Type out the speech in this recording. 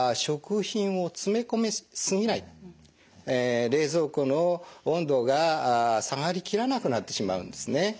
ポイントは冷蔵庫の温度が下がり切らなくなってしまうんですね。